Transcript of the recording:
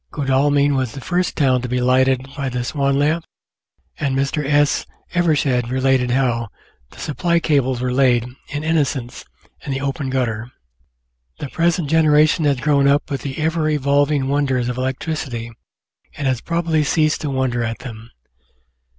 Godalming was the first town to be lighted by the Swan lamp, and Mr. S. Evershed related how "the supply cables were laid, in innocence, in the open gutter." The present generation has grown up with the ever evolving wonders of electricity and has probably ceased to wonder at them.